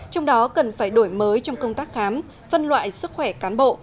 trong đó cần phải đổi mới trong công tác khám phân loại sức khỏe cán bộ